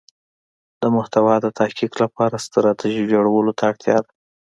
د محتوا د تحقق لپاره ستراتیژی جوړولو ته اړتیا ده.